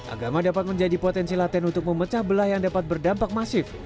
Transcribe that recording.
agama dapat menjadi potensi laten untuk memecah belah yang dapat berdampak masif